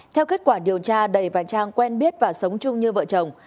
theo kết quả điều tra đầy và trang quen biết và sống chung như vợ chồng